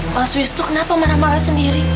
mas wisnu kenapa marah marah sendiri